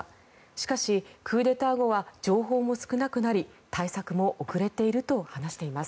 しかし、クーデター後は情報も少なくなり対策も遅れていると話しています。